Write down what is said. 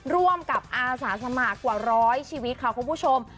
ร่วมกับอาสาสมะตัวร้อยชีวิตค่ะและผู้ผู้ชม